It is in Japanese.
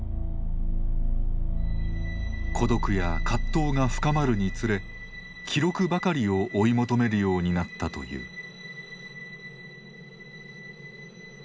孤独や葛藤が深まるにつれ記録ばかりを追い求めるようになったという。